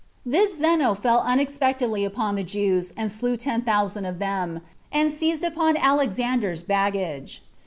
This Zeno fell unexpectedly upon the Jews, and slew ten thousand of them, and seized upon Alexander's baggage.